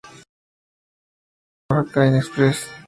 Y muy cercano del Hotel Oaxaca Inn Express.